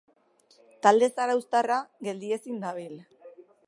Talde zarauztarra geldiezin dabil.